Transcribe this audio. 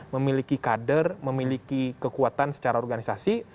memiliki kader memiliki kekuatan secara organisasi